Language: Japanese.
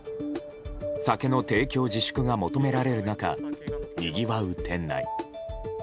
酒の提供自粛が求められる中にぎわう店内。